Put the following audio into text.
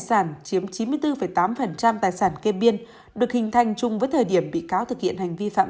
tài sản chiếm chín mươi bốn tám tài sản kê biên được hình thành chung với thời điểm bị cáo thực hiện hành vi phạm